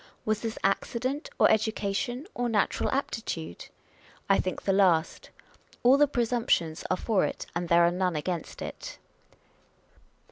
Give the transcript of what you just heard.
Was this accident, or education, or natural aptitude? I think the last. All the presumptions are for it, and there are none against it.